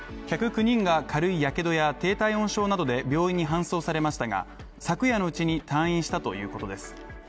客９人が軽いやけどや低体温症で病院に搬送されましたが、昨夜のうちに、退院したということです。